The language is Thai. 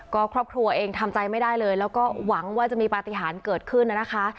ก็ครอบครัวเองทำใจไม่ได้เลยแล้วก็หวังว่าจะมีปฏิหารเกิดขึ้นนะคะ